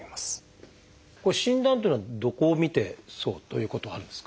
診断っていうのはどこを見てそうということはあるんですか？